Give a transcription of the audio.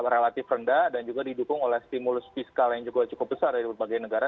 relatif rendah dan juga didukung oleh stimulus fiskal yang juga cukup besar dari berbagai negara